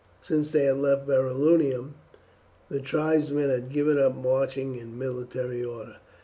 Since they had left Verulamium the tribesmen had given up marching in military order.